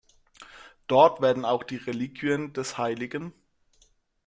Dort werden auch die Reliquien des hl.